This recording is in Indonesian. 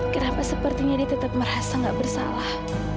kenapa sepertinya dia tetap merasa nggak bersalah